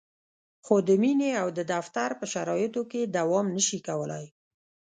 خو د مینې او د دفتر په شرایطو کې دوام نشي کولای.